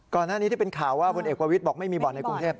ก่อนหน้านี้ที่เป็นข่าวว่าพเอกวาวิทย์บอกไม่มีบ่อนในกรุงเทพฯ